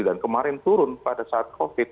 dan kemarin turun pada saat covid